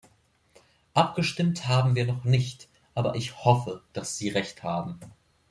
Abgestimmt haben wir noch nicht, aber ich hoffe, dass Sie Recht haben.